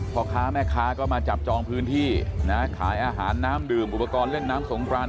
พ่อค้าแม่ค้าก็มาจับจองพื้นที่นะขายอาหารน้ำดื่มอุปกรณ์เล่นน้ำสงคราน